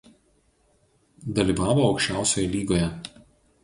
Dalyvavo Aukščiausioje lygoje.